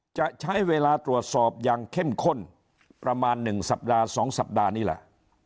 จะใช้เวลาตรวจสอบอย่างเข้มข้นประมาณ๑สัปดาห์๒สัปดาห์นี้แหละ